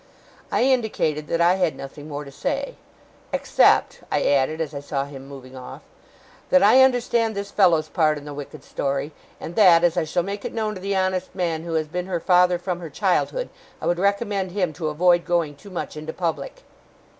I indicated that I had nothing more to say. 'Except,' I added, as I saw him moving off, 'that I understand this fellow's part in the wicked story, and that, as I shall make it known to the honest man who has been her father from her childhood, I would recommend him to avoid going too much into public.